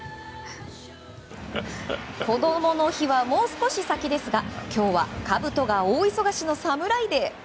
こどもの日はもう少し先ですが今日はかぶとが大忙しの侍デー！